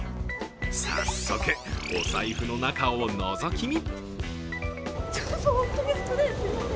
早速、お財布の中をのぞき見。